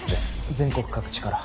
全国各地から。